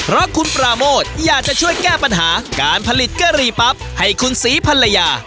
เพราะคุณปราโมทอยากจะช่วยแก้ปัญหาการผลิตกะหรี่ปั๊บให้คุณศรีภรรยา